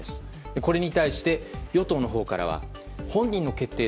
これに対して与党のほうからは本人の決定